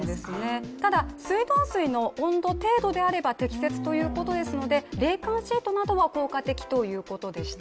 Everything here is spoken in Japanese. ただ水道水の温度程度なら適切ということですので冷感シートなどは効果的ということでした。